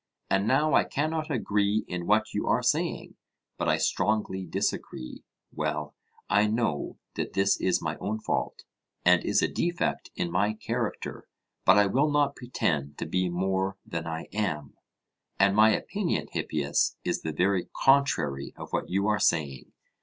And now I cannot agree in what you are saying, but I strongly disagree. Well, I know that this is my own fault, and is a defect in my character, but I will not pretend to be more than I am; and my opinion, Hippias, is the very contrary of what you are saying.